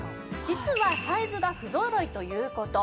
実はサイズが不ぞろいという事。